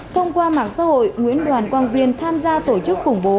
thông qua mạng xã hội nguyễn đoàn quang viên tham gia tổ chức khủng bố